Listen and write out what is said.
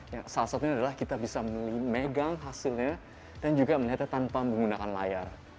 yang salah satunya adalah kita bisa memegang hasilnya dan juga melihatnya tanpa menggunakan layar